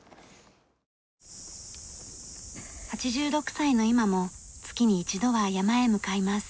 ８６歳の今も月に一度は山へ向かいます。